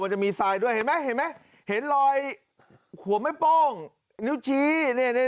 มันจะมีไซด้วยเห็นไหมเห็นรอยหัวไม่โปร่งนิ้วชี้เนี่ยนี่